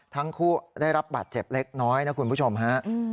ทั้งคู่ได้รับบาดเจ็บเล็กน้อยนะคุณผู้ชมฮะ